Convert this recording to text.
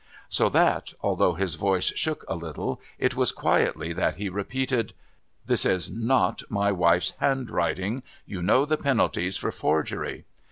So that, although his voice shook a little, it was quietly that he repeated: "This is not in my wife's handwriting. You know the penalties for forgery."